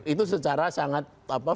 itu secara sangat filosofi